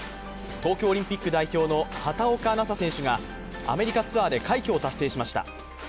東京オリンピック代表の畑岡奈紗選手がアメリカツアーで快挙を達成しました。